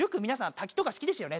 滝とか好きですよね